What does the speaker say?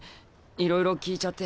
いろいろ聞いちゃって。